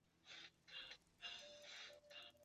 隋代官俸恢复了两汉时期以粟米计算俸禄的方式。